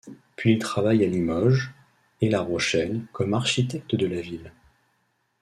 Puis il travaille à Limoges et La Rochelle comme architecte de la ville.